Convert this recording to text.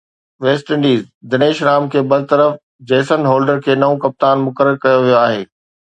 west Indies Dinesh Ram کي برطرف، Jason Holder کي نئون ڪپتان مقرر ڪيو ويو آهي